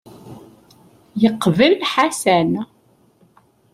Yeqbel Ḥasan.